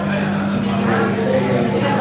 কিন্তু এটাই হয়েছে।